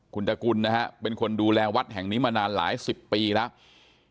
คุณตระกุลนะฮะเป็นคนดูแลวัดแห่งนี้มานานหลายสิบปีแล้ว